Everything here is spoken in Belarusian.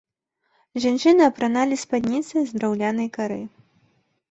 Жанчыны апраналі спадніцы з драўлянай кары.